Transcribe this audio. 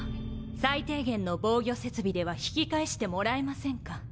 最低限の防御設備では引き返してもらえませんか。